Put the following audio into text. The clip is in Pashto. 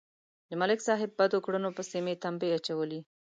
د ملک صاحب بدو کړنو پسې مې تمبې اچولې.